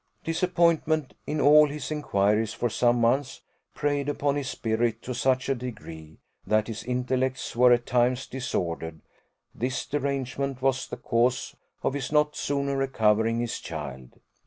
Disappointment in all his inquiries for some months preyed upon his spirits to such a degree, that his intellects were at times disordered; this derangement was the cause of his not sooner recovering his child.